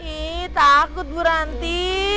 ih takut bu ranti